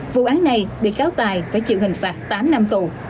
vụ án này bị cáo tài phải chịu hình phạt tám năm tù